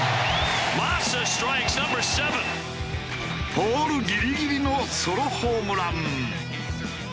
ポールギリギリのソロホームラン。